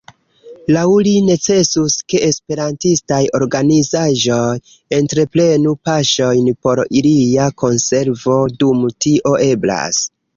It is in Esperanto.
Laŭ li necesus, ke esperantistaj organizaĵoj entreprenu paŝojn por ilia konservo, dum tio eblas.